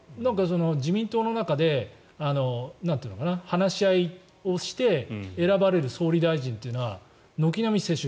自民党の中で話し合いをして選ばれる総理大臣というのは軒並み世襲。